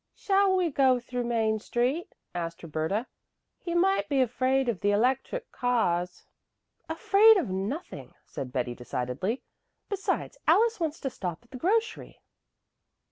"Shall we go through Main Street?" asked Roberta. "He might be afraid of the electric cars." "Afraid of nothing," said Betty decidedly. "Besides, Alice wants to stop at the grocery."